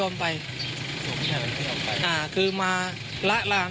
แม่เรารึดมาไเลย